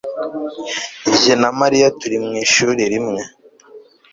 jye na mariya turi mu ishuri rimwe